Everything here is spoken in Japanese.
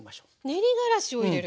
練りがらしを入れる。